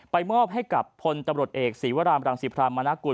มอบให้กับพลตำรวจเอกศีวรามรังศิพรามนากุล